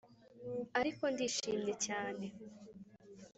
ariko ndishimye cyane